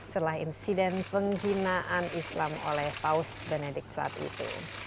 setelah insiden penghinaan islam oleh paus benedik saat itu